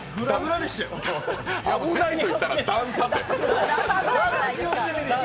危ないといったら段差って。